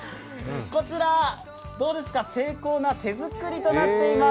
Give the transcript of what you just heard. こちら、どうですか、精巧な手作りとなっています。